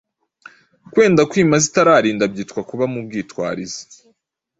Kwenda kwima zitararinda byitwa Kuba mu bitwarizi